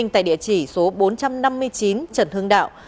tại địa chỉ số bốn trăm năm mươi chín trần hưng đạo